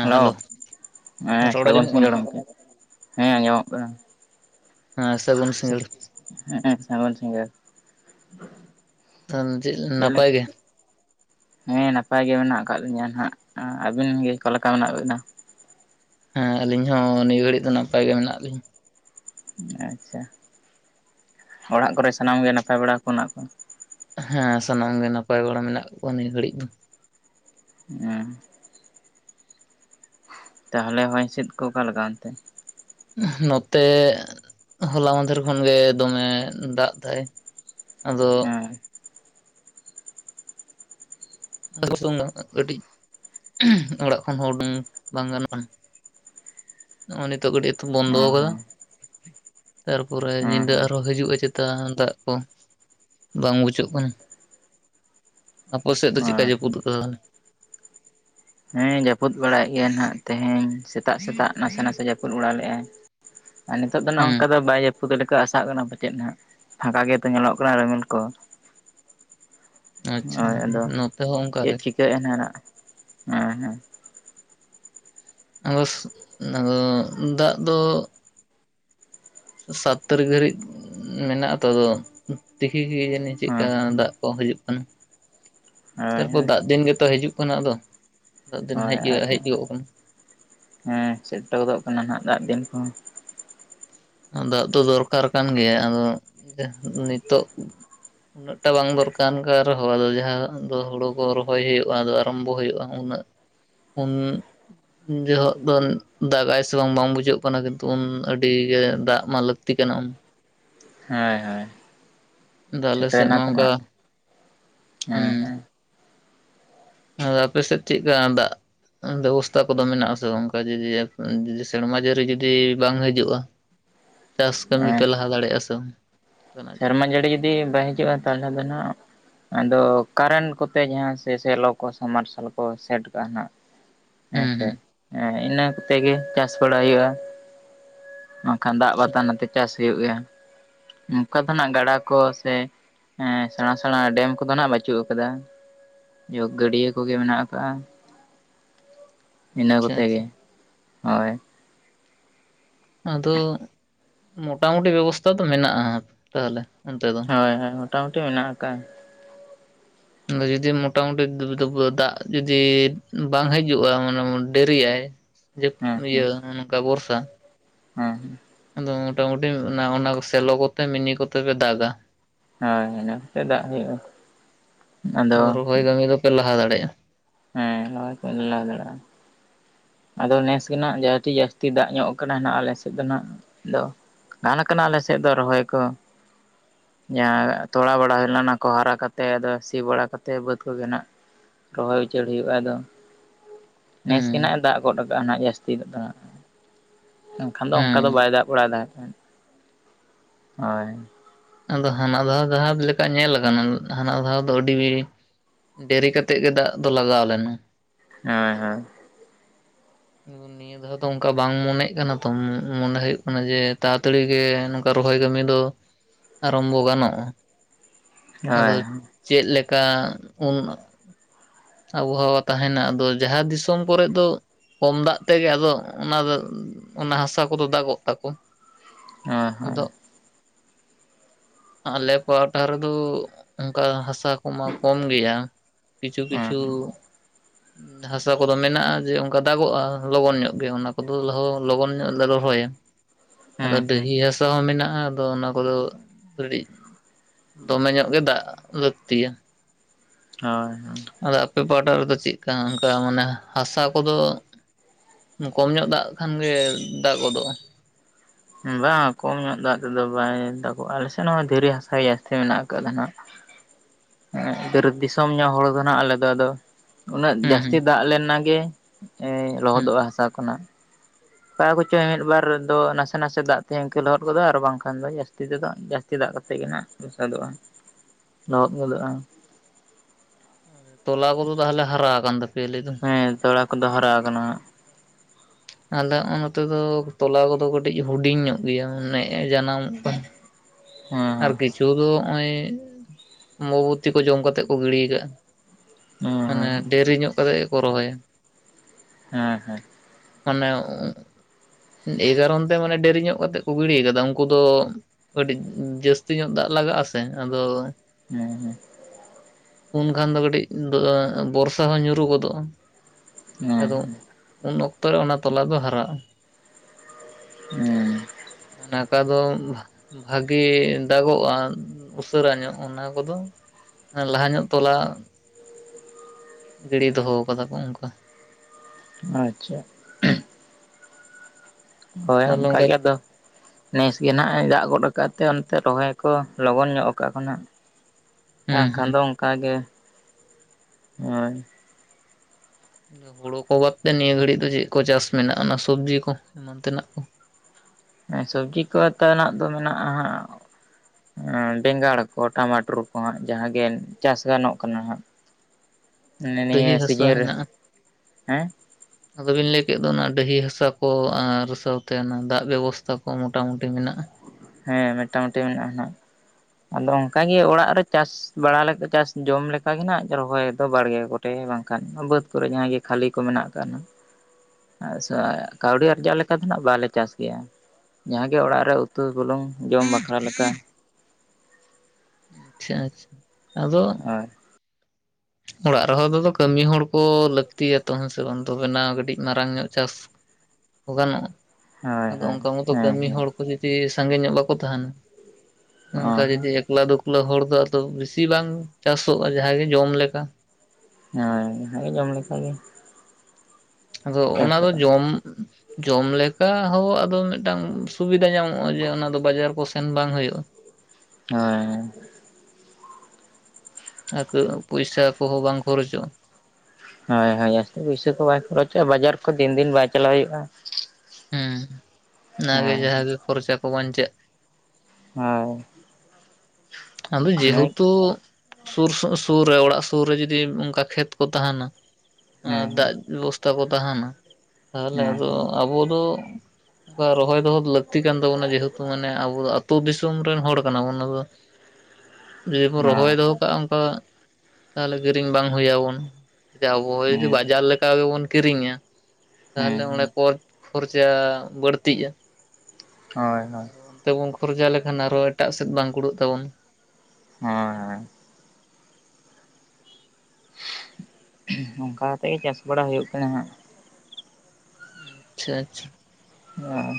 Hello ᱦᱮᱸ ᱨᱚᱲ ᱥᱟᱹᱜᱩᱱ ᱟᱸᱡᱚᱢᱚᱜ ᱠᱟᱱᱟ ᱥᱤᱸᱜᱟᱹᱲ ᱜᱚᱢᱠᱮ। ᱦᱮᱸ ᱟᱸᱡᱟᱢᱚᱜ ᱠᱟᱱᱟ। ᱦᱮᱸ ᱥᱟᱜᱩᱱ ᱥᱤᱸᱜᱟᱹᱲ ᱦᱮᱸ ᱥᱟᱹᱜᱩᱱ ᱥᱤᱸᱜᱟᱹᱲ [unintelligible] ᱪᱮᱫ ᱱᱟᱯᱟᱭ ᱞᱮᱠᱟ ᱜᱮ? ᱦᱮᱸ ᱱᱟᱯᱟᱭ ᱜᱮ ᱢᱮᱱᱟᱜ ᱟᱠᱟᱫ ᱞᱤᱧᱟᱹ ᱱᱟᱦᱟᱜ᱾ ᱟᱹᱵᱤᱱ ᱜᱮ ᱚᱠᱟ ᱞᱮᱠᱟ ᱢᱮᱱᱟᱜ ᱟᱠᱟ ᱵᱤᱱᱟ? ᱦᱮᱸ ᱟᱹᱞᱤᱧ ᱦᱚᱸ ᱱᱤᱭᱟᱹ ᱜᱷᱟᱹᱲᱤᱡ ᱫᱚ ᱱᱟᱯᱟᱭ ᱜᱮ ᱢᱮᱱᱟᱜ ᱞᱤᱧᱟ। ᱟᱪᱪᱷᱟ ᱚᱲᱟᱜ ᱠᱚᱨᱮ ᱥᱟᱱᱟᱢ ᱜᱮ ᱱᱟᱯᱟᱭ ᱵᱟᱲᱟ ᱠᱚ ᱦᱮᱱᱟᱜ ᱠᱚᱣᱟ? ᱦᱮᱸ ᱥᱟᱱᱟᱢ ᱜᱮ ᱱᱟᱯᱟᱭ ᱵᱟᱲᱟ ᱢᱮᱱᱟᱜ ᱠᱚᱣᱟ ᱱᱤᱭᱟᱹ ᱜᱷᱟᱹᱲᱤᱡ ᱫᱚ। ᱦᱮᱸ ᱛᱟᱦᱚᱞᱮ ᱦᱚᱭ ᱦᱤᱥᱤᱫ ᱠᱚ ᱚᱠᱟ ᱞᱮᱠᱟ ᱚᱱᱛᱮ? ᱱᱚᱛᱮ ᱦᱚᱞᱟ ᱢᱟᱫᱷᱮᱨ ᱠᱷᱚᱱ ᱜᱮ ᱫᱚᱢᱮ ᱫᱟᱜ ᱫᱟᱭ। ᱟᱫᱚ ᱦᱮᱸ [unintelligible] ᱠᱟᱹᱴᱤᱡ ᱚᱲᱟᱜ ᱠᱷᱚᱱ ᱦᱚᱸ ᱩᱰᱩᱝ ᱵᱟᱝ ᱜᱟᱱᱚᱜᱼᱟ। ᱱᱚᱜᱼᱚ ᱱᱤᱛᱚᱜ ᱠᱟᱹᱴᱤᱡ ᱛᱚ ᱵᱚᱱᱫᱚ ᱦᱮᱸ ᱠᱟᱫᱟ। ᱦᱮᱸ ᱛᱟᱨᱯᱚᱨᱮ ᱧᱤᱫᱟᱹ ᱦᱮᱸ ᱟᱨᱦᱚᱸ ᱦᱤᱡᱩᱜᱼᱟ ᱪᱮᱛᱟ ᱫᱟᱜ ᱠᱚ᱾ ᱵᱟᱝ ᱵᱩᱡᱷᱟᱹᱜ ᱠᱟᱱᱟ ᱟᱯᱮ ᱥᱮᱫ ᱫᱚ ᱪᱮᱫ ᱠᱟ ᱦᱮᱸ ᱡᱟᱹᱯᱩᱫᱚᱜ ᱠᱟᱱᱟ? ᱦᱮᱸ ᱡᱟᱹᱯᱩᱫ ᱵᱟᱲᱟᱭᱮᱫ ᱜᱮᱭᱟᱭ ᱱᱟᱦᱟᱜ ᱛᱮᱦᱮᱧ ᱥᱮᱛᱟᱜ ᱥᱮᱛᱟᱜ ᱱᱟᱥᱮ ᱱᱟᱥᱮ ᱡᱟᱹᱯᱩᱫ ᱵᱟᱲᱟ ᱞᱮᱜᱼᱟᱭ। ᱟᱨ ᱱᱤᱛᱚᱜ ᱫᱚ ᱱᱟᱦᱟᱜ ᱦᱮᱸ ᱚᱱᱠᱟ ᱫᱚ ᱵᱟᱭ ᱡᱟᱼ ᱼᱯᱩᱫ [unintelligible] ᱞᱮᱠᱟ ᱟᱥᱟᱜ ᱠᱟᱱᱟ ᱯᱟᱪᱮᱫ ᱱᱟᱦᱟᱜ ᱯᱷᱟᱸᱠᱟ ᱜᱮᱛᱚ ᱧᱮᱞᱚᱜ ᱠᱟᱱᱟ ᱨᱤᱢᱤᱞ ᱠᱚ। ᱟᱪᱪᱷᱟ ᱱᱚᱛᱮ ᱦᱚᱸ ᱚᱱᱠᱟ ᱜᱮ। ᱥᱮ ᱮᱱᱟᱱᱟᱜ ᱦᱮᱸ ᱦᱮᱸ [unintelligible] ᱱᱟᱫᱚ ᱫᱟᱜ ᱫᱚ ᱥᱟᱛ ᱛᱟᱹᱨᱤᱠᱷ ᱫᱷᱟᱹᱨᱤᱡ ᱢᱮᱱᱟᱜᱼᱟ ᱟᱛᱚ ᱟᱫᱚ ᱛᱤᱠᱤ ᱜᱮ ᱡᱟᱹᱱᱤᱡ ᱪᱮᱫᱠᱟ ᱦᱮᱸ ᱫᱟᱜ ᱠᱚ ᱦᱤᱡᱩᱜ ᱠᱟᱱᱟ। ᱦᱳᱭ ᱛᱟᱨᱯᱚᱨ ᱦᱳᱭ ᱫᱟᱜ ᱫᱤᱱ ᱜᱮᱛᱚ ᱦᱤᱡᱩᱜ ᱠᱟᱱᱟ ᱟᱫᱚ। ᱫᱟᱜ ᱫᱤᱱ ᱦᱮᱡ ᱦᱳᱭ ᱟᱨ ᱦᱮᱡ ᱜᱚᱜ ᱠᱟᱱᱟ ᱦᱮᱸ ᱥᱮᱴᱮᱨ ᱜᱚᱫᱚᱜ ᱠᱟᱱᱟ ᱱᱟᱦᱟᱜ ᱫᱟᱜ ᱫᱤᱱ ᱠᱚᱦᱚᱸ ᱫᱟᱜ ᱫᱚ ᱫᱚᱨᱠᱟᱨ ᱠᱟᱱ ᱜᱮᱭᱟ ᱟᱫᱚ ᱱᱤᱛᱚᱜ ᱼᱼ ᱩᱱᱟᱹᱜ ᱴᱟ ᱵᱟᱝ ᱫᱚᱨᱠᱟᱨ ᱠᱟᱱ ᱨᱮᱦᱚᱸ ᱟᱫᱚ ᱡᱟᱦᱟᱸ ᱫᱚ ᱦᱩᱲᱩ ᱠᱚ ᱨᱚᱦᱚᱭ ᱦᱩᱭᱩᱜᱼᱟ ᱟᱫᱚ ᱟᱨᱟᱢᱵᱚ ᱦᱩᱭᱩᱜᱼᱟ। ᱩᱱᱟᱹᱜ ᱩᱱᱻ ᱡᱚᱦᱚᱜ ᱫᱚ ᱫᱟᱜᱟᱭ ᱥᱮ ᱵᱟᱝ? ᱵᱟᱝ ᱵᱩᱡᱷᱟᱹᱜ ᱠᱟᱱᱟ ᱠᱤᱱᱛᱩ ᱩᱱ ᱟᱹᱰᱤ ᱜᱮ ᱼᱻ ᱫᱟᱜ ᱢᱟ ᱞᱟᱹᱠᱛᱤ ᱠᱟᱱᱟ। ᱦᱳᱭ ᱦᱳᱭ ᱟᱫ ᱟᱞᱮ ᱥᱮᱫ ᱥᱮᱴᱮᱨᱮᱱᱟ ᱢᱟ ᱛᱚ ᱚᱱᱠᱟ ᱱᱟᱜ ᱦᱮᱸ ᱦᱩᱸ ᱦᱮᱸ ᱟᱫᱚ ᱟᱯᱮ ᱥᱮᱫ ᱪᱮᱫᱠᱟ ᱫᱟᱜ? ᱵᱮᱵᱚᱥᱛᱟ ᱠᱚᱫᱚ ᱢᱮᱱᱟᱜ ᱟᱥᱮ ᱵᱟᱝ? ᱚᱱᱠᱟ ᱡᱩᱫᱤ ᱡᱩᱫᱤ ᱥᱮᱨᱢᱟ ᱡᱟᱹᱨᱤ ᱡᱩᱫᱤ ᱵᱟᱝ ᱦᱤᱡᱩᱜᱼᱟ। [inaudible] ᱪᱟᱥ ᱠᱟᱹᱢᱤ ᱦᱮᱸ ᱯᱮ ᱞᱟᱦᱟ ᱫᱟᱲᱮᱭᱟᱜᱼᱟ ᱥᱮ ᱵᱟᱝ? ᱥᱮᱨᱢᱟ ᱡᱟᱹᱲᱤ ᱡᱩᱫᱤ ᱵᱟᱭ ᱦᱤᱡᱩᱜᱼᱟ ᱛᱟᱦᱚᱞᱮ ᱫᱚ ᱱᱟᱦᱟᱜ ᱟᱫᱚ ᱠᱟᱨᱮᱱᱴ ᱠᱚᱛᱮ ᱡᱟᱦᱟᱸ ᱥᱮ ᱥᱮᱞᱚ ᱠᱚ ᱥᱟᱢ ᱢᱟᱨᱥᱟᱞ ᱠᱚ ᱥᱮᱴ ᱠᱟᱜᱼᱟ ᱱᱟᱦᱟᱜ ᱦᱩᱸ ᱦᱮᱸᱥᱮ ᱦᱩᱸ ᱤᱱᱟᱹ ᱠᱚᱛᱮ ᱜᱮ ᱪᱟᱥ ᱵᱟᱲᱟ ᱦᱩᱭᱩᱜᱼᱟ ᱵᱟᱝᱠᱷᱟᱱ ᱫᱟᱜ ᱟᱪᱪᱷᱟ ᱵᱟᱛᱟᱱ ᱟᱛᱮ ᱪᱟᱥ ᱦᱩᱭᱩᱜ ᱜᱮᱭᱟ ᱚᱚᱠᱟ ᱫᱚ ᱱᱟᱜ ᱜᱟᱰᱟ ᱠᱚ ᱥᱮ ᱥᱮᱬᱟ ᱥᱮᱬᱟ ᱰᱮᱢ ᱠᱚᱫᱚ ᱱᱟᱜ ᱵᱟᱪᱩᱜ ᱟᱠᱟᱫᱟ ᱡᱚᱜᱽ ᱜᱟᱹᱰᱭᱟᱹ ᱠᱚᱜᱮ ᱢᱮᱱᱟᱜ ᱟᱠᱟᱫᱟ ᱤᱱᱟᱹ ᱟᱪᱪᱷᱟ ᱠᱚᱛᱮ ᱜᱮ ᱟᱪᱪᱷᱟ ᱦᱳᱭ ᱟᱫᱚ ᱢᱚᱴᱟ ᱢᱩᱩᱴᱤ ᱵᱮᱵᱚᱥᱛᱷᱟ ᱫᱚ ᱢᱮᱱᱟᱜᱼᱟ ᱛᱟᱦᱚᱞᱮ ᱚᱱᱛᱮ ᱫᱚ ᱦᱳᱭ ᱦᱳᱭ ᱢᱚᱴᱴᱟᱢᱩᱴᱤ ᱢᱮᱱᱟᱜ ᱟᱠᱟᱫ ᱟᱫᱚ ᱡᱩᱫᱤ ᱢᱚᱴᱟᱢᱩᱴᱤ ᱫᱟᱜ ᱡᱩᱫᱤ ᱵᱟᱝ ᱦᱤᱡᱩᱜᱼᱟ ᱢᱟᱱᱮ ᱫᱮᱨᱤᱜᱟᱭ ᱡᱮ ᱤᱭᱟᱹ ᱱᱚ ᱱᱚᱝᱠᱟ ᱵᱚᱨᱥᱟ ᱦᱮᱸᱮᱸ ᱟᱫᱚ ᱢᱚᱴᱟᱟᱢᱩᱴᱤ ᱚᱱᱟ ᱚᱱᱟ ᱥᱮᱞᱚ ᱠᱚᱛᱮ ᱢᱤᱱᱤ ᱠᱚᱛᱮ ᱯᱮ ᱫᱟᱜᱟ ᱦᱳᱭ ᱤᱱᱟᱹ ᱠᱟᱛᱮ ᱫᱟᱜ ᱦᱩᱭᱩᱜᱼᱟ ᱟᱫᱚ ᱯᱮ ᱞᱟᱦᱟ ᱫᱟᱲᱮᱭᱟᱜᱼᱟ ᱦᱮᱸ ᱞᱟᱦᱟᱭ ᱠᱷᱟᱭ ᱞᱮ ᱞᱟᱦᱟᱭ ᱫᱟᱲᱮᱭᱟᱜ ᱟᱫᱚ ᱱᱮᱥ ᱜᱮ ᱱᱟᱜ ᱡ ᱡᱟᱹᱥᱛᱤ ᱫᱟᱜ ᱧᱚᱜ ᱠᱟᱱᱟ ᱟᱞᱮ ᱥᱮᱫ ᱫᱚ ᱱᱟᱜ ᱫᱚ ᱜᱟᱱ ᱠᱟᱱᱟ ᱟᱞᱮ ᱥᱮᱫ ᱫᱚ ᱨᱚᱦᱚᱭ ᱠᱚ ᱡᱟᱦᱟᱸ ᱛᱚᱲᱟ ᱵᱟᱲᱟ ᱦᱩᱭ ᱞᱮᱱᱟ ᱚᱱᱟ ᱠᱚ ᱦᱟᱨᱟ ᱠᱟᱛᱮᱮᱫ ᱟᱫᱚ ᱥᱤ ᱵᱟᱲᱟ ᱠᱟᱛᱮᱮᱫ ᱵᱟᱹᱫᱽ ᱠᱚᱜᱮ ᱦᱟᱜ ᱨᱚᱦᱚᱭ ᱩᱪᱟᱹᱲ ᱦᱩᱭᱩᱜᱼᱟ ᱟᱫᱚ ᱱᱮᱥ ᱦᱩᱸ ᱜᱮᱱᱟᱜ ᱫᱟᱜ ᱜᱚᱫ ᱠᱟᱜᱼᱟ ᱱᱟᱦᱟᱜ ᱡᱟᱹᱥᱛᱤ ᱫᱚ ᱫᱚᱟᱢ ᱮᱱᱠᱷᱟᱱ ᱫᱚ ᱚᱱᱠᱟ ᱦᱮᱸ ᱫᱚ ᱵᱟᱭ ᱫᱟᱜ ᱠᱟᱜᱼᱟ ᱠᱚᱲ ᱫᱟᱜᱛᱟᱦᱮᱱ ᱦᱳᱭ ᱟᱫᱚ ᱦᱟᱱᱟ ᱫᱷᱟᱣ ᱡᱟᱦᱟᱸ ᱞᱮᱠᱟ ᱧᱮᱞᱞᱟ ᱟᱠᱟᱱᱟ ᱦᱟᱱᱟ ᱫᱷᱟᱣ ᱫᱚ ᱟᱹᱰᱤ ᱫᱮᱨᱤ ᱠᱟ ᱠᱟᱛᱮᱮᱫ ᱜᱮ ᱫᱟᱜ ᱫᱚ ᱞᱟᱜᱟᱣ ᱞᱮᱱᱟ ᱦᱮᱸ ᱦᱮᱸ ᱱᱤᱭ ᱡᱚ ᱚᱱᱠᱟ ᱵᱟᱝ ᱢᱚᱱᱮᱜ ᱠᱟᱱᱟ ᱛᱚ ᱢᱚᱱᱮ ᱦᱩᱭᱩᱜ ᱠᱟᱱᱟ ᱡᱮ ᱛᱟᱲᱟᱛᱟᱲᱤ ᱜᱮ ᱱᱚᱝᱠᱟ ᱨᱚᱦᱚᱭ ᱠᱟᱹᱢᱤ ᱫᱚ ᱟᱨᱟᱢᱵᱷᱚ ᱜᱟᱱᱚᱜᱼᱟ ᱟᱫᱚ ᱦᱳᱭ ᱦᱳᱭ ᱪᱮᱫ ᱞᱮᱠᱟ ᱩᱱ ᱟᱵᱚᱦᱟᱣᱟ ᱛᱟᱦᱮᱱᱟ ᱟᱫᱚ ᱡᱟᱦᱟᱸ ᱫᱤᱥᱚᱢ ᱠᱚᱨᱮ ᱫᱚ ᱠᱚᱢ ᱫᱟᱜ ᱛᱮᱜᱮ ᱟᱫᱚ ᱚᱱᱟ ᱫᱚ ᱚᱱᱟ ᱦᱟᱥᱟ ᱠᱚᱫᱚ ᱫᱟᱜᱚᱜ ᱛᱟᱠᱚ ᱦ ᱦᱮᱸ ᱟᱫᱚ ᱟᱞᱮ ᱯᱦᱴᱟ ᱨᱮᱫᱚ ᱩᱱᱠᱩ ᱦᱟᱥᱟ ᱦᱥᱟ ᱠᱚᱢᱟ ᱠᱚᱢ ᱜᱮᱭᱟ ᱠᱤᱪᱷᱩ ᱦᱳᱭ ᱠᱤᱪᱷᱩ ᱦᱟᱥᱟ ᱠᱚᱫᱚ ᱢᱮᱱᱟᱜᱼᱟ ᱡᱮ ᱚᱱᱠᱟ ᱫᱟᱜᱚᱜᱼᱟ ᱞᱚᱜᱚᱱ ᱧᱚᱜ ᱜᱮ ᱚᱱᱟ ᱠᱚᱫᱚ ᱞᱚᱜᱚᱱ ᱧᱚᱜ ᱞ ᱦᱚᱭ ᱟᱫᱚ ᱦᱳᱭ ᱦᱳᱭ ᱰᱟᱹᱦᱤ ᱦᱟᱥᱟ ᱦᱚᱸ ᱢᱮᱱᱟᱜᱼᱟ ᱟᱫᱚ ᱚᱱᱟ ᱠᱚᱫᱚ ᱠᱟᱹᱴᱤᱡ ᱫᱚᱢᱮ ᱧᱚᱜ ᱜᱮ ᱫᱟᱜ ᱞᱟᱹᱠᱛᱤᱭᱟ ᱦᱳᱭ ᱦᱳᱭ ᱟᱫᱚ ᱟᱯᱮ ᱯᱟᱦᱴᱟ ᱨᱮᱫᱚ ᱪᱮᱫᱠᱟ ᱚᱱᱠᱟ ᱢᱟᱱᱮ ᱦᱟᱥᱟ ᱠᱚᱫᱚ ᱠᱚᱢ ᱧᱚᱜ ᱫᱟᱜ ᱠᱷᱟᱱ ᱜᱮ ᱫᱟᱜ ᱜᱚᱫᱚᱜᱼᱟ ᱵᱟᱝ ᱠᱚᱢ ᱧᱚᱜ ᱫᱟᱜ ᱛᱮᱫᱚ ᱵᱟᱭ ᱫᱟᱜᱚᱜᱼᱟ ᱟᱞᱮᱥᱮᱫ ᱦᱚᱸ ᱫᱷᱤᱨᱤ ᱦᱟᱥᱟ ᱜᱮ ᱡᱟᱹᱥᱛᱤ ᱢᱮᱱᱟᱜ ᱟᱠᱟᱫᱟ ᱱᱟᱟᱜ ᱫᱷᱟᱹᱨ ᱫᱤᱥᱚᱢ ᱧᱚᱜ ᱦᱚᱲ ᱫᱚ ᱱᱟᱜ ᱟᱞᱮ ᱫᱚ ᱟᱫᱚ ᱩᱱᱟᱹᱜ ᱦᱩᱸ ᱡᱟᱹᱥᱛᱤ ᱦᱩᱸ ᱫᱟᱜ ᱞᱮᱱᱟ ᱜᱮ ᱦᱩᱸ ᱞᱚᱦᱚᱫᱚᱜᱼᱟ ᱦᱟᱥᱟ ᱠᱷᱚᱱᱟᱜ ᱚᱠᱟ ᱠᱚᱪᱚᱭ ᱢᱤᱫ ᱵᱟᱨ ᱫᱚ ᱱᱟᱥᱮ ᱱᱟᱥᱮ ᱫᱟᱜ ᱛᱮ ᱤᱱᱠᱟᱹ ᱞᱚᱦᱚᱫ ᱜᱚᱫᱚᱜ ᱟᱨ ᱵᱟᱝᱠᱷᱟᱱ ᱫᱚ ᱡᱟᱹᱥᱛᱤ ᱛᱮᱫᱚ ᱡᱟᱹ ᱪᱮᱫᱟᱜ ᱠᱚᱛᱮ ᱜᱤᱦᱟᱜ ᱞᱚᱥᱚᱫᱚᱜᱼᱟ ᱞᱚᱦᱚᱫ ᱜᱚᱫᱚᱜᱼᱟ ᱛᱚᱞᱟ ᱠᱚᱫᱚ ᱛᱟᱦᱚᱞᱮ ᱦᱟᱨᱟ ᱠᱟᱱᱟᱱ ᱛᱟᱯᱮᱭᱟᱞᱟᱹᱭ ᱭᱤᱫᱟᱢ ᱦᱮᱸ ᱛᱚᱲᱟ ᱠᱚᱫᱚ ᱦᱟᱨᱟ ᱟᱠᱟᱱᱟ ᱟᱞᱮ ᱦᱚᱸᱜ ᱱᱚᱛᱮ ᱫᱚ ᱛᱚᱞᱟ ᱠᱚᱫᱚ ᱠᱟᱹᱴᱤᱡ ᱦᱩᱰᱤᱧ ᱧᱚᱜ ᱜᱮᱭᱟ ᱡᱟᱱᱟᱢᱚᱜ ᱠᱟᱱᱟ ᱦᱮᱸ ᱟᱨ ᱠᱤᱪᱷᱩ ᱫᱚ ᱦᱚᱭᱚᱭ ᱢᱳᱵᱚᱛᱤ ᱠᱚ ᱡᱚᱢᱠᱟᱛᱮ ᱠᱚ ᱜᱤᱲᱤ ᱟᱠᱟᱭᱟ᱾ ᱦᱮᱸ ᱦᱮᱸ ᱢᱟᱱᱮ ᱫᱮᱨᱤ ᱧᱚᱜ ᱠᱟᱛᱮᱜ ᱜᱮᱠᱚ ᱨᱚᱦᱚᱭᱟ᱾ ᱦᱮᱸ ᱦᱮᱸ᱾ ᱢᱟᱱᱮ᱾ ᱮᱜᱟᱨᱚ ᱚᱱᱛᱮ ᱢᱟᱱᱮ ᱰᱮᱨᱤ ᱧᱚᱜ ᱠᱟᱛᱮᱜ ᱠᱚ ᱜᱤᱲᱤ ᱟᱠᱟᱫᱟ ᱩᱱᱠᱩ ᱫᱚ ᱠᱟᱹᱴᱤᱡ᱾ ᱡᱟᱹᱥᱛᱤ ᱧᱚᱜ ᱫᱟᱜ ᱞᱟᱜᱟᱜᱼᱟ ᱥᱮ ᱟᱫᱚ᱾ ᱦᱮᱸ ᱦᱮᱸ᱾ ᱩᱱᱠᱷᱟᱱ ᱫᱚ ᱠᱟᱹᱴᱤᱡ ᱵᱚᱨᱥᱟ ᱦᱚᱸ ᱧᱩᱨᱩ ᱜᱚᱫᱚᱜᱼᱟ᱾ ᱦᱮᱸ ᱟᱫᱚ ᱩᱱ ᱚᱠᱛᱚᱨᱮ ᱚᱱᱟ ᱛᱚᱞᱟ ᱫᱚ ᱦᱟᱨᱟᱜᱼᱟ᱾ ᱦᱮᱸ ᱚᱱᱟᱠᱟ ᱫᱚ ᱵᱦᱟ ᱵᱷᱟᱜ᱾ ᱜᱤ ᱫᱟᱜᱚᱜᱼᱟ ᱩᱥᱟᱹᱨᱟ ᱧᱚᱜ ᱚᱱᱟ ᱠᱚᱫᱚ᱾ ᱞᱟᱦᱟ ᱧᱚᱜ ᱛᱚᱞᱟ ᱜᱤᱲᱤ ᱫᱚᱦᱚ ᱟᱠᱟᱫᱟ ᱠᱚ ᱚᱱᱠᱟ᱾ ᱟᱪᱷᱟ᱾ ᱦᱳᱭ ᱚᱱᱠᱟ ᱜᱮ ᱟᱫᱚ᱾ ᱱᱮᱥ ᱜᱮ ᱱᱟᱦᱟᱜ ᱮ ᱫᱟᱜ ᱜᱚᱫ ᱟᱠᱟᱫ ᱛᱮ ᱚᱱᱛᱮ ᱨᱚᱦᱚᱭ ᱦᱚᱠᱚ ᱞᱚᱜᱚᱱ ᱧᱚᱜ ᱟᱠᱟ ᱠᱚ ᱱᱟᱦᱟᱜ᱾ ᱦᱩᱸ ᱵᱟᱝᱠᱷᱟᱱ ᱦᱩᱸ ᱫᱚ ᱚᱱᱠᱟ ᱜᱮ ᱦᱳᱭ᱾ ᱦᱩᱲᱩ ᱠᱚ ᱵᱟᱫᱛᱮ ᱱᱤᱭᱟᱹ ᱜᱷᱟᱹᱲᱤ ᱫᱚ ᱪᱮᱜ ᱠᱚ ᱪᱟᱥ ᱢᱮᱱᱟᱜᱼᱟ ᱚᱱᱟ ᱥᱚᱵᱡᱤ ᱠᱚ ᱮᱢᱟᱱ ᱛᱮᱱᱟᱜ ᱠᱚ᱾ ᱦᱮᱸ ᱥᱚᱵᱡᱤ ᱠᱚ ᱦᱟᱛᱟᱱᱟᱜ ᱫᱚ ᱢᱮᱱᱟᱜᱼᱟ ᱦᱟᱜ᱾ ᱦᱮᱸᱵᱮᱸᱜᱟᱲ ᱠᱚ ᱴᱟᱢᱟᱴᱳᱨ ᱠᱚ ᱦᱟᱸᱜ ᱡᱟᱦᱟ ᱜᱮ ᱪᱟᱥ ᱜᱟᱱᱚᱜ ᱠᱟᱱᱟ ᱦᱟᱸᱜ᱾ ᱢᱟᱱᱮ ᱱᱤᱭᱟᱹ ᱰᱟᱹᱦᱤ ᱥᱤᱡᱟᱹᱱ ᱦᱟᱥᱟ ᱨᱮ ᱦᱮᱸ᱾ ᱟᱫᱚᱵᱤᱱ ᱞᱟᱹᱭ ᱮᱠ ᱫᱚ ᱚᱱᱟ ᱰᱟᱺᱦᱤ ᱦᱟᱥᱟ ᱠᱚ ᱟᱨ ᱥᱟᱶᱛᱮ ᱚᱱᱟ ᱫᱟᱜ ᱵᱮᱵᱚᱥᱛᱷᱟ ᱠᱚ ᱢᱚᱴᱟᱟᱢᱩᱴᱤ ᱢᱮᱱᱟᱜᱼᱟ᱾ ᱦᱮᱸ ᱢᱮᱴᱟᱢᱩᱴᱤ ᱢᱮᱱᱟᱜᱼᱟ ᱦᱟᱜ᱾ ᱟᱫᱚ ᱚᱱᱠᱟᱜᱮ ᱚᱲᱟᱜ ᱨᱮ ᱪᱟᱥ ᱵᱟᱲᱟ ᱞᱮᱠᱟ ᱪᱟᱥ ᱡᱚᱢ ᱞᱮᱠᱟ ᱜᱮ ᱱᱟᱦᱟᱜ ᱨᱚᱦᱚᱭ ᱫᱚ ᱵᱟᱲᱜᱮ ᱠᱚᱨᱮ᱾ ᱴᱮ ᱵᱟᱝᱠᱷᱟᱱ ᱵᱟᱹᱫᱽ ᱠᱚᱨᱮ ᱡᱟᱦᱟ ᱜᱮ ᱠᱷᱟᱹᱞᱤ ᱠᱚ ᱢᱮᱱᱟᱜ ᱟᱠᱟ ᱱᱟᱦᱟᱜ᱾ ᱥᱮ ᱠᱟᱹᱣᱰᱤ ᱟᱨᱡᱟᱣ ᱞᱮᱠᱟ ᱫᱚ ᱦᱟᱜ ᱵᱟᱞᱮ ᱪᱟᱥ ᱜᱮᱭᱟ ᱡᱟᱦᱟ ᱜᱮ ᱚᱲᱟᱜ ᱨᱮ᱾ ᱩᱛᱩ ᱵᱩᱞᱩᱝ ᱡᱚᱢ ᱵᱟᱠᱷᱨᱟ ᱞᱮᱠᱟ᱾ ᱟᱪᱷᱟ ᱟᱪᱷᱟ ᱟᱫᱚ᱾ ᱦᱮᱸ᱾ ᱚᱲᱟᱜ ᱨᱮᱦᱚᱸ ᱟᱫᱚ ᱠᱟᱹᱢᱤ ᱦᱚᱲ ᱠᱚ ᱞᱟᱹᱠᱛᱤᱭᱟᱛᱚ ᱦᱮᱸ ᱥᱮ ᱵᱟᱝ ᱫᱚᱵᱮ ᱱᱟᱣᱟ ᱠᱟᱹᱴᱤᱡ ᱢᱟᱨᱟᱝ ᱧᱚᱜ ᱪᱟᱥ᱾ ᱜᱟᱱᱚᱜᱼᱟ ᱦᱳᱭ ᱦᱳᱭ ᱟᱫᱚ ᱚᱱᱠᱟ ᱢᱚᱛᱚ ᱦᱮᱸ ᱠᱟᱹᱢᱤ ᱦᱮᱸ ᱦᱚᱲ᱾ ᱡᱩᱫᱤ ᱥᱟᱸᱜᱮ ᱧᱚᱜ ᱵᱟᱠᱚ ᱛᱟᱦᱮᱱᱟ ᱚᱱᱠᱟ ᱦᱳᱭ ᱡᱩᱫᱤ ᱮᱠᱞᱟ ᱫᱚ᱾ ᱵᱟᱞᱟᱮ ᱦᱚᱲ ᱫᱚ ᱟᱫᱚ ᱵᱤᱥᱤ ᱵᱟᱝ ᱪᱟᱥᱚᱜᱼᱟ ᱡᱟᱦᱟ ᱜᱮ ᱡᱚᱢ ᱞᱮᱠᱟ᱾ ᱦᱮᱸ ᱡᱟᱦᱟᱜᱮ ᱡᱚᱢ ᱞᱮᱠᱷᱟ ᱜᱮ᱾ ᱟᱫᱚ ᱚᱱᱟ ᱫᱚ ᱪᱟᱥᱚᱜᱼᱟ ᱡᱚᱢ᱾ ᱡᱚᱢ ᱞᱮᱠᱟ ᱦᱚᱸ ᱟᱫᱚ ᱢᱤᱫᱴᱟᱝ ᱥᱩᱵᱤᱫᱷᱟ ᱧᱟᱢᱚᱜᱼᱟ ᱡᱮ ᱚᱱᱟ ᱫᱚ ᱵᱟᱡᱟᱨ ᱠᱚ ᱥᱮᱱ ᱵᱟᱝ ᱦᱩᱭᱩᱜᱼᱟ᱾ ᱦᱮᱸ᱾ ᱟᱨ ᱠᱚ ᱯᱚᱭᱥᱟ ᱠᱚᱦᱚᱸ ᱵᱟᱝ ᱠᱷᱚᱨᱚᱪᱚᱜᱼᱟ᱾ ᱦᱳᱭ ᱦᱳᱭ ᱡᱟᱹᱥᱛᱤ ᱯᱩᱭᱥᱟᱹ ᱠᱚ ᱵᱟᱭ ᱠᱷᱚᱨᱚᱪᱚᱜᱼᱟ ᱵᱟᱡᱟᱨ ᱠᱚ ᱫᱤᱱ ᱫᱤᱱ ᱵᱟᱭ ᱪᱟᱞᱟᱣ ᱦᱩᱭᱩᱜᱼᱟ᱾ ᱦᱩᱸ ᱚᱱᱟᱜᱮ ᱦᱮᱸ ᱡᱟᱦᱟ ᱜᱮ ᱠᱷᱚᱨᱪᱟ ᱠᱚ ᱵᱟᱧᱪᱟᱜ᱾ ᱦᱚᱭ᱾ ᱟᱫᱚ ᱡᱮᱦᱩᱛᱩ᱾ ᱥᱩᱨ ᱥᱩᱨ ᱨᱮ ᱚᱲᱟᱜ ᱥᱩᱨ ᱨᱮ ᱡᱩᱫᱤ ᱚᱱᱠᱟ ᱠᱷᱮᱛ ᱠᱚ ᱛᱟᱦᱮᱱᱟ ᱦᱮᱸ ᱦᱮᱸ ᱫᱟᱜ ᱵᱮᱵᱚᱥ ᱛᱟᱠᱚ ᱛᱟᱦᱮᱱᱟ ᱛᱟᱦᱚᱞᱮ ᱦᱮᱸ ᱟᱫᱚ ᱟᱵᱚ ᱫᱚ᱾ ᱚᱱᱠᱟ ᱨᱚᱦᱚᱭ ᱫᱚᱦᱚ ᱞᱟᱹᱠᱛᱤ ᱠᱟᱱ ᱛᱟᱵᱚᱱᱟ ᱡᱮᱦᱩᱛᱩ ᱢᱟᱱᱮ ᱟᱵᱚ ᱫᱚ ᱟᱹᱛᱩ ᱫᱤᱥᱚᱢ ᱨᱮᱱ ᱦᱚᱲ ᱠᱟᱱᱟ ᱵᱚᱱ ᱟᱵᱚ ᱫᱚ᱾ ᱡᱩᱫᱤ ᱵᱚᱱ ᱨᱚᱦᱚᱭ ᱫᱚᱦᱚ ᱠᱟᱜᱼᱟ ᱚᱱᱠᱟ ᱛᱟᱦᱚᱞᱮ ᱠᱤᱨᱤᱧ ᱵᱟᱝ ᱦᱩᱭ ᱟᱵᱚᱱᱟ ᱾ ᱡᱟ ᱟᱵᱚ ᱦᱚᱸ ᱡᱩᱫᱤ ᱦᱮᱸ ᱦᱮᱸ ᱵᱟᱡᱟᱨ ᱞᱮᱠᱟ ᱜᱮᱵᱚᱱ ᱠᱤᱨᱤᱧᱟ ᱛᱟᱦᱚᱞᱮ ᱦᱮᱸ ᱚᱸᱰᱮ ᱠᱚ᱾ ᱠᱷᱚᱨᱪᱟ ᱵᱟᱹᱲᱛᱤᱜᱼᱟ᱾ ᱦᱳᱭ ᱦᱳᱭ ᱚᱱᱛᱮᱵᱚᱱ ᱠᱷᱚᱨᱪᱟ ᱞᱮᱠᱷᱟᱱ ᱟᱨᱦᱚ ᱮᱴᱟᱜ ᱥᱮᱫ ᱵᱟᱝ ᱠᱩᱲᱟᱹᱜ ᱛᱟᱵᱚᱱᱟ᱾ ᱦᱳᱭ ᱦᱳᱭ᱾ ᱱᱚᱝᱠᱟ ᱠᱟᱛᱮ ᱜᱮ ᱪᱟᱥ ᱵᱟᱲᱟ ᱦᱩᱭᱩᱜ ᱠᱟᱱᱟ ᱦᱟᱜ᱾ ᱟᱪᱪᱷᱟ ᱟᱪᱪᱷᱟ᱾ ᱚᱸ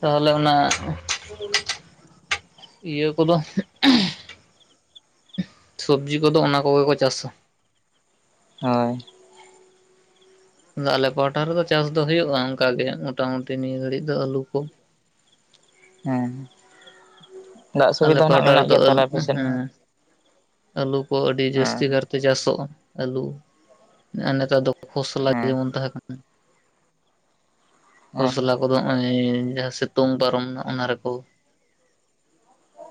ᱛᱟᱦᱞᱮ ᱚᱱᱟ ᱤᱭᱟᱹ ᱠᱚᱫᱚ? ᱥᱚᱵᱡᱤ ᱠᱚᱫᱚ ᱚᱱᱟ ᱠᱚᱜᱮ ᱠᱚ ᱪᱟᱥᱟ᱾ ᱦᱚᱭ᱾ ᱟᱞᱮ ᱯᱟᱦᱴᱟ ᱨᱮᱫᱚ ᱪᱟᱥ ᱫᱚ ᱦᱩᱭᱩᱜ-ᱟ ᱚᱝᱠᱟᱜ ᱜᱮ ᱢᱚᱴᱟ ᱢᱩᱴᱤ ᱱᱤᱭᱟᱹ ᱜᱷᱟᱹᱲᱤᱡ ᱫᱚ ᱟᱹᱞᱩ ᱠᱚ᱾ ᱦᱮᱸ ᱫᱟᱜ ᱟᱞᱮ ᱥᱩᱵᱤᱫᱟ ᱱᱟᱜ ᱯᱟᱦᱴᱟ ᱢᱮᱱᱟᱜ ᱨᱮᱫᱚ ᱜᱮᱭᱟ ᱟᱹᱞᱩ ᱛᱟᱞᱮ ᱟᱯᱮᱥᱮᱫ ᱦᱚᱸ ᱦᱮᱸ ᱟᱹᱞᱩ ᱠᱚ ᱟᱹᱰᱤ ᱦᱮᱸ ᱡᱟᱹᱥᱛᱤ ᱠᱟᱨᱛᱮ ᱪᱟᱥᱚᱜ-ᱟ ᱟᱹᱞᱩ ᱟᱨ ᱱᱮᱛᱟᱨ ᱫᱚ ᱠᱷᱚᱥᱞᱟ ᱦᱮᱸ ᱡᱮᱢᱚᱱ ᱛᱟᱦᱮ ᱠᱟᱱᱟ ᱠᱷᱚᱥᱞᱟ ᱦᱮᱸ ᱠᱚᱫᱚ ᱚᱭ ᱡᱟᱦᱟᱸ ᱥᱤᱛᱩᱝ ᱯᱟᱨᱚᱢᱱᱟ ᱚᱱᱟ ᱨᱮᱠᱚ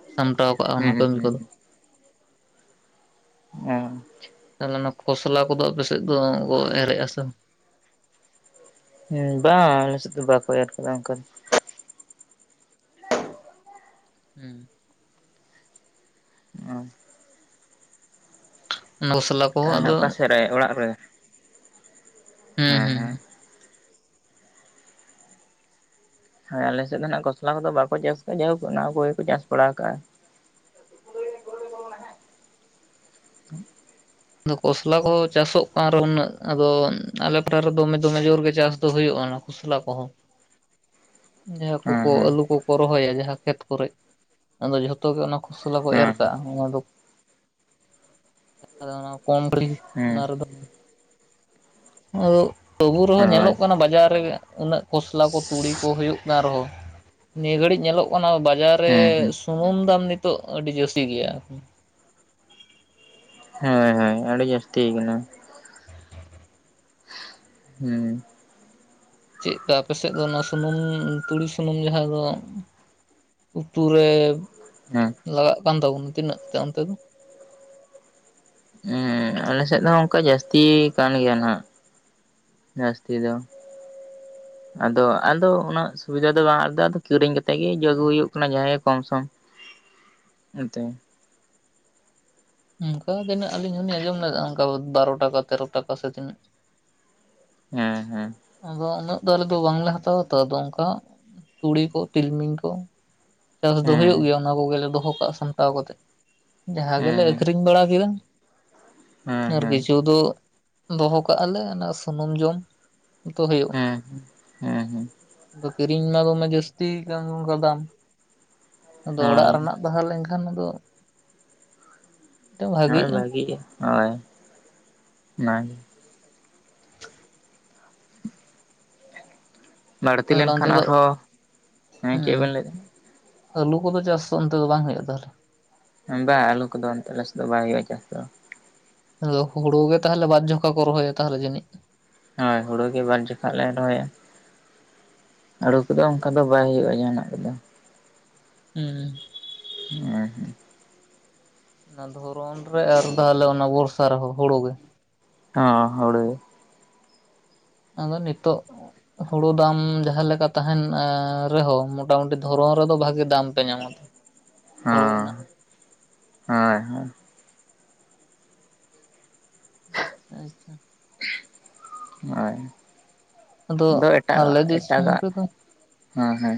ᱥᱟᱢᱴᱟᱣ ᱠᱟᱜᱼᱟ ᱚᱱᱟ ᱦᱩᱸ ᱠᱟᱹᱢᱤ ᱠᱚᱫᱚ ᱦᱩᱸ ᱦᱮᱸ ᱛᱟᱞᱮ ᱚᱱᱟ ᱠᱷᱚᱥᱞᱟ ᱠᱚᱫᱚ ᱟᱯᱮᱥᱮᱫ ᱫᱚ ᱠᱚ ᱮᱨᱮᱜ-ᱟ ᱥᱮ ᱵᱟᱣ ᱟᱞᱮ ᱥᱮᱫ ᱫᱚ ᱵᱟᱠᱚ ᱮᱨ ᱠᱟᱫᱟ ᱚᱝᱠᱟ ᱦᱩᱸ ᱚ ᱚᱱᱟ ᱠᱷᱚᱥᱞᱟ ᱠᱚᱦᱚᱸ ᱛᱷᱟᱞᱮ ᱦᱟᱜ ᱟᱫᱚ ᱚᱠᱟ ᱥᱮᱫ ᱨᱮ ᱚᱲᱟᱜ ᱨᱮ ᱦᱩᱸ ᱦᱮᱸ ᱦᱩᱸ ᱦᱮᱸ ᱦᱮᱸ ᱟᱞᱮᱥᱮᱫ ᱫᱚ ᱱᱟᱜ ᱠᱷᱚᱥᱞᱟ ᱠᱚᱫᱚ ᱵᱟᱠᱚ ᱪᱟᱥ ᱠᱟᱜ-ᱟ ᱡᱟᱦᱳᱠ ᱚᱱᱟ ᱠᱚᱜᱮ ᱠᱚ ᱪᱟᱥ ᱵᱟᱲᱟ ᱠᱟᱜ-ᱟ [inaudible] ᱟᱫᱚ ᱠᱷᱚᱥᱞᱟ ᱠᱚ ᱪᱟᱥᱚᱜ ᱠᱟᱱ ᱨᱮᱚᱸ ᱩᱱᱟᱹᱜ ᱟᱫᱚ ᱟᱞᱮ ᱯᱟᱴᱟ ᱨᱮ ᱫᱚᱢᱮ ᱫᱚᱢᱮ ᱡᱳᱨ ᱜᱮ ᱪᱟᱥ ᱫᱚ ᱦᱩᱭᱩᱜ-ᱟ ᱚᱱᱟᱠᱚ ᱠᱷᱚᱥᱞᱟ ᱠᱚᱦᱚᱸ [inaudible] ᱡᱟᱦᱟᱸ ᱦᱮᱸ ᱠᱚᱠᱚ ᱦᱮᱸ ᱟᱹᱞᱩ ᱠᱚ ᱠᱚ ᱨᱚᱦᱚᱭᱟ ᱡᱟᱦᱟᱸ ᱠᱷᱮᱛ ᱠᱚᱨᱮ ᱟᱫᱚ ᱡᱷᱚᱛᱚ ᱜᱮ ᱚᱱᱟ ᱠᱷᱚᱥᱞᱟ ᱠᱚ ᱮᱨ ᱠᱟᱜ-ᱟ ᱚᱱᱟ ᱫᱚ ᱟᱫᱚ ᱚᱱᱟ ᱠᱚᱰᱨᱤ ᱦᱮᱸ ᱚᱱᱟ ᱨᱮ ᱫᱚ ᱟᱫᱚ ᱛᱚᱵᱩ ᱦᱮᱸ ᱨᱮᱦᱚᱸ ᱦᱳᱭ ᱧᱮᱞᱚᱜ ᱠᱟᱱᱟ ᱵᱟᱡᱟᱨ ᱨᱮᱜᱮ ᱩᱱᱟᱹᱜ ᱠᱚᱥᱞᱟ ᱠᱚ ᱛᱩᱲᱤ ᱠᱚ ᱦᱩᱭᱩᱜ ᱠᱟᱱ ᱨᱮᱦᱚᱸ ᱱᱤᱭᱟᱹ ᱜᱷᱟᱹᱲᱤᱡ ᱧᱮᱞᱚᱜ ᱠᱟᱱᱟ ᱵᱟᱡᱟᱨ ᱨᱮ ᱦᱮᱸ ᱦᱮᱸ ᱥᱩᱱᱩᱢ ᱫᱟᱢ ᱱᱤᱛᱚᱜ ᱟᱹᱰᱤ ᱡᱟᱹᱥᱤ ᱜᱮᱭᱟ ᱦᱮᱸ ᱦᱮᱸ ᱟᱹᱵᱤ ᱡᱟᱹᱥᱛᱤ ᱠᱟᱱᱟ ᱦᱩᱸ ᱪᱮᱜᱠᱟ ᱟᱯᱮ ᱥᱮᱫ ᱫᱚ ᱱᱚᱣᱟ ᱥᱩᱱᱩᱢ ᱛᱩᱲᱤ ᱥᱩᱱᱩᱢ ᱡᱟᱦᱟᱸ ᱫᱚ ᱩᱛᱩ ᱨᱮ ᱦᱮᱸ ᱞᱟᱜᱟᱜ ᱠᱟᱱ ᱛᱟᱵᱚᱱᱟ ᱛᱤᱱᱟᱹᱜ ᱠᱟᱛᱮ ᱚᱱᱛᱮ ᱫᱚ ᱦᱮᱸ ᱟᱞᱮ ᱥᱮᱫ ᱦᱚ ᱚᱝᱠᱟ ᱡᱟᱹᱥᱛᱤ ᱠᱟᱱ ᱜᱮᱭᱟ ᱱᱟᱸᱜ ᱡᱟᱹᱥᱛᱤ ᱫᱚ [inaudible] ᱟᱫᱚ ᱟᱫᱚ ᱩᱱᱟᱹᱜ ᱥᱩᱵᱤᱫᱟ ᱫᱚ ᱵᱟᱝ ᱟᱫᱚ ᱠᱤᱨᱤᱧ ᱠᱟᱛᱮᱜ ᱜᱤ ᱟᱜᱩ ᱦᱩᱭᱩᱜ ᱠᱟᱱᱟ ᱡᱟᱦᱟᱸ ᱜᱮ ᱠᱚᱢᱥᱚᱢ [unintelligible] ᱚᱱᱠᱟ ᱛᱤᱱᱟᱹᱜ ᱟᱹᱞᱤᱧ ᱦᱚᱞᱤᱧ ᱟᱸᱡᱚᱢ ᱞᱮᱫ ᱚᱱᱠᱟ ᱵᱟᱨᱚ ᱴᱟᱠᱟ ᱛᱮᱨᱚ ᱴᱟᱠᱟ ᱥᱮ ᱛᱤᱱᱟᱹᱜ ᱦᱩᱸ ᱦᱩᱸ ᱟᱫᱚ ᱩᱱᱟᱹᱜ ᱫᱚ ᱟᱞᱮ ᱫᱚ ᱵᱟᱝᱞᱮ ᱦᱟᱛᱟᱣᱟ ᱛᱚ ᱟᱫᱚ ᱚᱝᱠᱟ ᱛᱩᱲᱤ ᱠᱚ ᱛᱤᱞᱢᱤᱧ ᱠᱚ ᱪᱟᱥ ᱫᱚ ᱦᱮᱸ ᱦᱩᱭᱩᱜ ᱜᱮᱭᱟ ᱚᱱᱟ ᱠᱚᱜᱮᱞᱮ ᱫᱚᱦᱚ ᱠᱟᱜ-ᱟ ᱥᱟᱢᱴᱟᱣ ᱠᱟᱛᱮ ᱡᱟᱦᱟᱸ ᱦᱮᱸ ᱜᱮᱞᱮ ᱟᱹᱠᱷᱨᱤᱧ ᱵᱟᱲᱟ ᱠᱮᱫᱟ ᱦᱮᱸ ᱦᱮᱸ ᱟᱨ ᱦᱮᱸ ᱠᱤᱪᱷᱩ ᱫᱚ ᱫᱚᱦᱚ ᱠᱟᱜ-ᱟ ᱞᱮ ᱚᱱᱟ ᱥᱩᱱᱩᱢ ᱡᱚᱢ ᱛᱚ ᱦᱩᱭᱩᱜ ᱦᱩᱸ ᱠᱤᱨᱤᱧ ᱢᱟ ᱫᱚᱢᱮ ᱡᱟᱹᱥᱛ ᱠᱟᱱ ᱚᱝᱠᱟ ᱫᱟᱢ ᱟᱫᱚ ᱚᱲᱟᱜ ᱦᱳᱭ ᱨᱮᱱᱟᱜ ᱛᱟᱦᱟ ᱞᱮᱱᱠᱷᱟᱱ ᱟᱫᱚ ᱛᱮ ᱵᱷᱟᱜᱤᱜ ᱵᱷᱟᱹᱜᱤᱜ-ᱟ ᱦᱳᱭ ᱚᱱᱟᱜᱤ ᱵᱟᱹᱲᱛᱤ ᱛᱟᱦᱚᱞᱮ ᱞᱮᱱᱠᱷᱟᱱ ᱚᱱᱛᱮ ᱫᱚ ᱟᱨᱦᱚᱸ ᱦᱮᱸ ᱪᱮᱫ ᱵᱮᱱ ᱞᱟᱹᱭ ᱟᱹᱞᱩ ᱠᱚᱫᱚ ᱪᱟᱥ ᱚᱱᱛᱮ ᱫᱚ ᱵᱟᱝ ᱦᱩᱭᱩᱜ-ᱟ ᱛᱟᱦᱚᱞᱮ? ᱵᱟ ᱟᱹᱞᱩ ᱠᱚᱫᱚ ᱚᱱᱛᱮ ᱟᱞᱮ ᱥᱮᱜ ᱫᱚ ᱵᱟᱭ ᱦᱩᱭᱩᱜ-ᱟ ᱪᱟᱥ ᱫᱚ᱾ ᱟᱫᱚ ᱦᱩᱲᱩ ᱜᱮ ᱛᱟᱦᱚᱞᱮ ᱵᱟᱨ ᱡᱷᱚᱠᱟ ᱠᱚ ᱨᱚᱦᱚᱭᱟ ᱛᱟᱦᱚᱞᱮ ᱡᱟᱹᱱᱤᱡ? ᱦᱚᱭ ᱦᱩᱲᱩ ᱜᱮ ᱵᱟᱨ ᱡᱚᱠᱷᱟ ᱞᱮ ᱨᱚᱦᱚᱭᱟ᱾ ᱦᱟᱹᱲᱩ ᱠᱚᱫᱚ ᱚᱝᱠᱟ ᱫᱚ ᱵᱟᱭ ᱦᱩᱭᱩᱜ-ᱟ ᱡᱟᱦᱟᱸ ᱱᱟᱜ ᱠᱚᱫᱚ᱾ ᱩᱸᱻ᱾ ᱮ ᱦᱮᱸ᱾ ᱚᱱᱟ ᱫᱷᱚᱨᱚᱱ ᱨᱮ ᱟᱨ ᱛᱟᱦᱚᱞᱮ ᱚᱱᱟ ᱵᱚᱨᱥᱟ ᱨᱮᱦᱚᱸ ᱦᱩᱲᱩ ᱜᱮ᱾ ᱦᱚᱸ ᱦᱩᱲᱩ᱾ ᱟᱫᱚ ᱱᱤᱛᱚᱜ ᱚᱸᱼᱼ ᱦᱩᱲᱩ ᱫᱟᱢ ᱡᱟᱦᱟᱸ ᱞᱮᱠᱟ ᱛᱟᱦᱮᱱ ᱮ ᱨᱮᱦᱚᱸ ᱢᱚᱴᱟᱼᱢᱩᱴᱤ ᱫᱷᱚᱨᱚᱱ ᱨᱮᱫᱚ ᱵᱷᱟᱜᱤ ᱫᱟᱢᱼᱼ ᱯᱮ ᱧᱟᱢᱚᱛ ᱦᱩᱲᱩ ᱨᱮᱱᱟᱜ᱾ ᱦᱚᱸᱭ ᱦᱚᱸᱭ᱾ ᱟᱪᱪᱷᱟ ᱟᱪᱪᱷᱟ᱾ ᱦᱚᱭ ᱟᱫᱚ ᱮᱴᱟᱜ ᱟᱜ ᱟᱞᱮ ᱫᱤᱥᱚᱢ ᱮᱴᱟᱜᱟᱜᱼᱼ ᱨᱮᱫᱚ ᱦᱚᱸ ᱦᱚᱭ᱾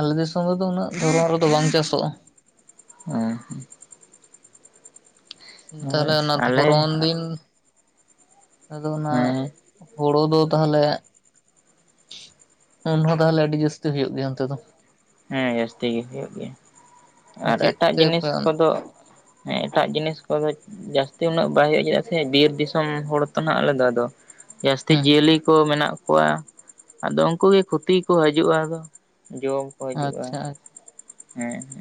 ᱟᱞᱮ ᱡᱚᱞ ᱫᱚ ᱩᱱᱟᱹᱜ ᱫᱷᱚᱨᱚᱱ ᱨᱮᱫᱚ ᱵᱟᱝ ᱪᱟᱥᱚᱜ-ᱟ᱾ ᱚᱸᱻ᱾ ᱛᱟᱦᱚᱞᱮ ᱦᱳᱭ ᱚᱱᱟ ᱟᱞᱮ ᱫᱷᱚᱨᱚᱱ ᱫᱤᱱ ᱟᱫᱚ ᱚᱱᱟ ᱦᱮᱸ ᱦᱩᱲᱩ ᱫᱚᱼᱼ ᱛᱟᱦᱚᱞᱮ ᱩᱱ ᱨᱮᱦᱚᱸ ᱛᱟᱦᱚᱞᱮ ᱟᱹᱰᱤ ᱡᱟᱹᱥᱛᱤ ᱦᱩᱭᱩᱜ ᱜᱮᱭᱟ ᱚᱱᱛᱮ ᱫᱚ᱾ ᱦᱮᱸ ᱡᱟᱹᱥᱛᱤ ᱜᱮ ᱦᱩᱭᱩᱜ ᱜᱮᱭᱟ ᱟᱨ ᱪᱮᱫ ᱮᱴᱟᱜ ᱡᱤᱱᱤᱥ ᱛᱮᱯᱮ ᱠᱚᱫᱚᱼᱼ ᱦᱮᱸ ᱮᱴᱟᱜ ᱡᱤᱱᱤᱥ ᱠᱚᱫᱚ ᱡᱟᱥᱛᱤ ᱩᱱᱟᱹᱜ ᱵᱟᱭ ᱦᱩᱭᱩᱜ-ᱟ ᱥᱮ ᱵᱤᱨ ᱫᱤᱥᱚᱢ ᱦᱚᱲ ᱛᱚ ᱱᱟᱜ ᱟᱞᱮ ᱫᱚ ᱟᱫᱚᱼᱼ ᱡᱟᱹᱥᱛᱤ ᱦᱩᱸ ᱡᱤᱭᱟᱹᱞᱤ ᱠᱚ ᱢᱮᱱᱟᱜ ᱠᱚᱣᱟ᱾ ᱟᱫᱚ ᱩᱱᱠᱩ ᱜᱮ ᱠᱷᱩᱛᱤᱭ ᱠᱚ ᱦᱟᱹᱡᱩᱜ ᱟᱫᱚ ᱡᱚᱢ᱾ ᱠᱚ ᱦᱟᱹᱡᱩᱜ-ᱟ ᱟᱪᱪᱷᱟ ᱟᱪᱪᱷᱟ ᱦᱮᱸ ᱾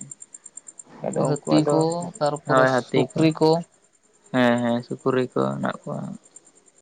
ᱩᱱᱠᱩ ᱦᱟᱹᱛᱤ ᱠᱚ ᱛᱟᱨᱯᱚᱨᱮ ᱦᱳᱭ ᱦᱟᱹᱛᱤ ᱥᱩᱠᱨᱤ ᱠᱚ᱾ ᱦᱮᱸ ᱦᱮᱸ ᱥᱩᱠᱨᱤ ᱠᱚ ᱦᱮᱱᱟᱜ ᱠᱚᱣᱟ᱾